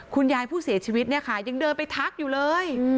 คุณยายผู้เสียชีวิตเนี่ยค่ะยังเดินไปทักอยู่เลย